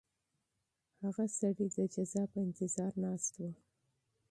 هغه سړی د جزا په انتظار ناست و.